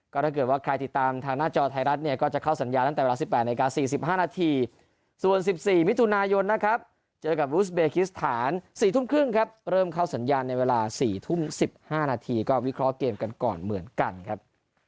ก็ถ้าเกิดว่าใครติดตามทางหน้าจอไทยรัฐเนี่ยก็จะเข้าสัญญาณตั้งแต่เวลา๑๘นาที๔๕นาทีส่วน๑๔มิถุนายนนะครับเจอกับรูสเบคิสถาน๔ทุ่มครึ่งครับเริ่มเข้าสัญญาณในเวลา๔ทุ่ม๑๕นาทีก็วิเคราะห์เกมกันก่อนเหมือนกันครับ